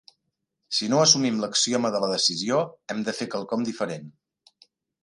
Si no assumim l"axioma de la decisió, hem de fer quelcom diferent.